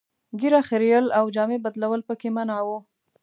ږیره خرییل او جامې بدلول پکې منع وو.